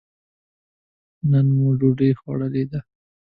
نن مو ډوډۍ خوړلې ده.